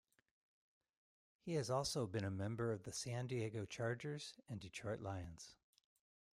He has also been a member of the San Diego Chargers and Detroit Lions.